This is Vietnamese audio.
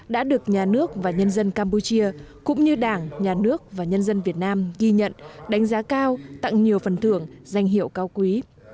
đã được nhà nước và nhân dân campuchia cũng như đảng nhà nước và nhân dân việt nam ghi nhận đánh giá cao tặng nhiều phần thưởng danh hiệu cao quý